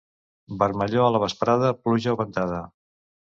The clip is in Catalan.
Vermellor a la vesprada, pluja o ventada.